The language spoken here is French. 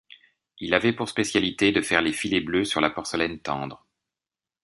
Il avait pour spécialité de faire les filets bleus sur la porcelaine tendre.